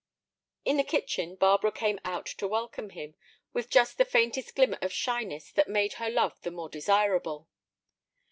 In the kitchen Barbara came out to welcome him, with just the faintest glimmer of shyness that made her love the more desirable.